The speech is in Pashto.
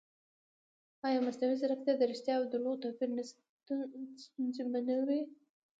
ایا مصنوعي ځیرکتیا د ریښتیا او دروغو توپیر نه ستونزمنوي؟